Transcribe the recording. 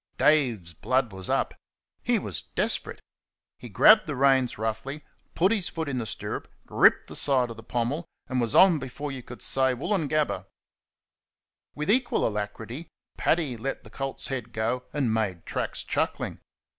Dave's blood was up. He was desperate. He grabbed the reins roughly, put his foot in the stirrup, gripped the side of the pommel, and was on before you could say "Woolloongabba." With equal alacrity, Paddy let the colt's head go and made tracks, chuckling.